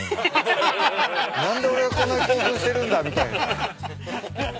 何で俺がこんな興奮してるんだみたいな。